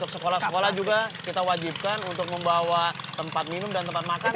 sekolah sekolah juga kita wajibkan untuk membawa tempat minum dan tempat makan